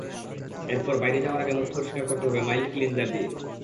এরপর বাইরে যাওয়ার আগে মুখ পরিষ্কার করতে হবে মাইল্ড ক্লিনজার দিয়ে।